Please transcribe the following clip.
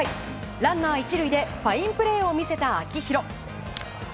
ランナー、１塁でファインプレーを見せた秋広。